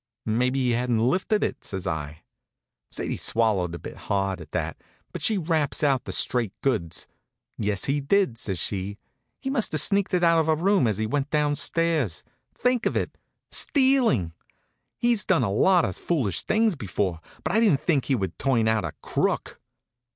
"Maybe he hadn't lifted it," says I. Sadie swallowed a bit hard at that; but she raps out the straight goods. "Yes, he did," says she. "He must have sneaked it out of her room as he went down stairs. Think of it! Stealing! He's done a lot of foolish things before; but I didn't think he would turn out a crook.